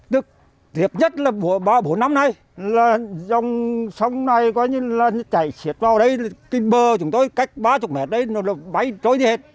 tiếp nhất là bốn năm nay dòng sông này chạy xuyệt vào đây bờ chúng tôi cách ba mươi mét đây bay trôi như hết